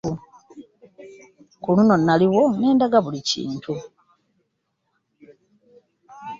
Ku luno naliwo ne ndaba buli kimu.